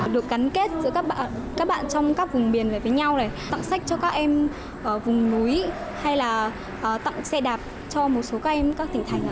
được gắn kết giữa các bạn trong các vùng biển về với nhau để tặng sách cho các em ở vùng núi hay là tặng xe đạp cho một số các em các tỉnh thành